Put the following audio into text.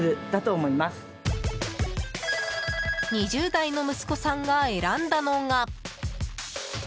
２０代の息子さんが選んだのが。